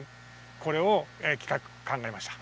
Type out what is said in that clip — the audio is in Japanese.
これを、企画、考えました。